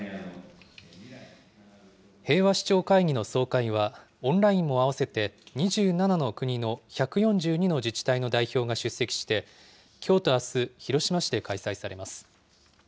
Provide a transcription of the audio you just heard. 平和首長会議の総会は、オンラインも合わせて２７の国の１４２の自治体の代表が出席して、きょうとあす、広島市で開催されます。